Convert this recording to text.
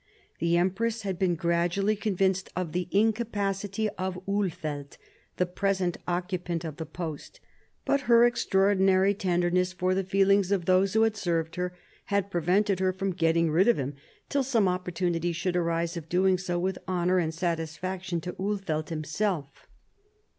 The empress had been gradually convinced of the incapacity of Ulfeldt, the present occupant of the post* but her extraordinary tenderness for the feelings of those who had served her had prevented her from getting rid of him till some opportunity should arise of doing so with honour and satisfaction to Ulfeldt himself.